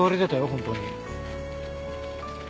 本当に。